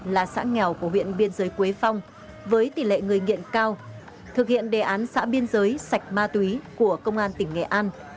là xã nghèo của huyện biên giới quế phong với tỷ lệ người nghiện cao thực hiện đề án xã biên giới sạch ma túy của công an tỉnh nghệ an